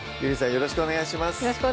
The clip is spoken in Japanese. よろしくお願いします